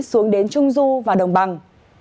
xuống đến trung du và đồng bằng